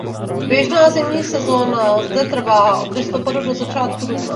Běžná zimní sezóna zde trvá od listopadu do začátku dubna.